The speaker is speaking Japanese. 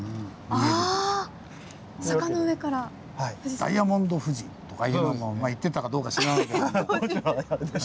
ダイヤモンド富士とかいうのもまあ言ってたかどうか知らないけども。